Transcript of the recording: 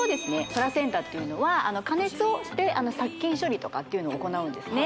プラセンタっていうのは加熱をして殺菌処理とかっていうのを行うんですね